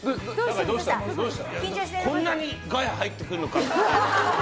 こんなにガヤ入ってくるのか。